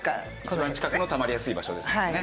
一番近くのたまりやすい場所ですもんね。